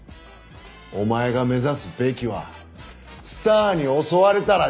お前が目指すべきはスターに襲われたら日本一。